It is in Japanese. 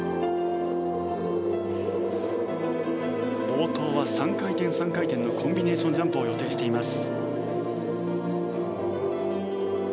冒頭は３回転、３回転のコンビネーションジャンプを予定しています。